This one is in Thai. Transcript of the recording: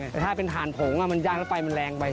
แต่ถ้าเป็นถ่านผงมันยากแล้วไฟมันแรงไป